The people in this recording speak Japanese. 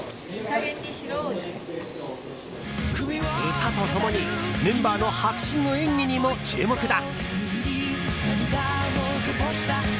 歌と共にメンバーの迫真の演技にも注目だ。